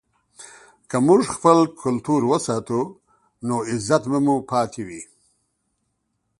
که موږ خپل کلتور وساتو نو عزت به مو پاتې وي.